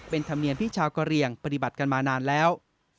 เป็นธรรมเนียมที่ชาวกะเรียงปฏิบัติกันมานานแล้ว